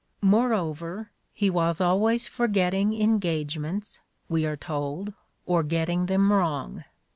Moreover, "he was always forgetting engagements," we are told, "or getting them wrong."